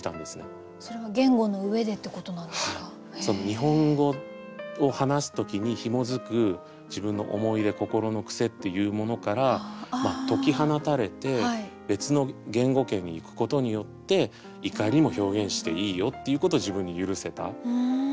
日本語を話す時にひもづく自分の思い出心の癖っていうものから解き放たれて別の言語圏に行くことによって怒りも表現していいよっていうことを自分に許せた。